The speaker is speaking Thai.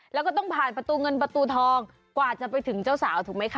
แล้วก็ต้องผ่านประตูเงินประตูทองกว่าจะไปถึงเจ้าสาวถูกไหมคะ